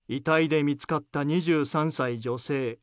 遺体で見つかった２３歳女性。